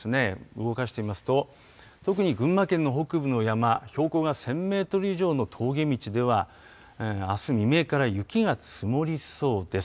動かしてみますと、特に群馬県の北部の山、標高が１０００メートル以上の峠道では、あす未明から雪が積もりそうです。